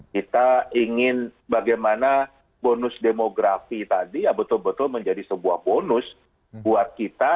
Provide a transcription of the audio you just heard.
kita ingin bagaimana bonus demografi tadi ya betul betul menjadi sebuah bonus buat kita